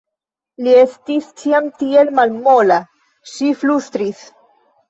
Li estis ĉiam tiel malmola, ŝi flustris.